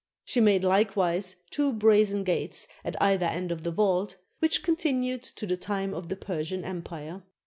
She made likewise two brazen gates at either end of the vault, which continued to the time of the Persian Empire.